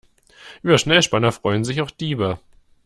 Über Schnellspanner freuen sich auch Diebe.